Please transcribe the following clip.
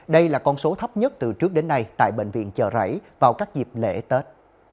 đây là con số thấp nhất từ trước đến nay tại bệnh viện chợ rẫy vào các dịp lễ tết